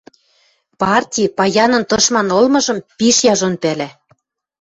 Парти паянын тышман ылмыжым пиш яжон пӓлӓ.